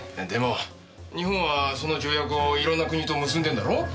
でも日本はその条約をいろんな国と結んでんだろ。